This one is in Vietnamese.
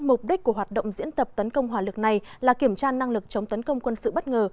mục đích của hoạt động diễn tập tấn công hòa lực này là kiểm tra năng lực chống tấn công quân sự bất ngờ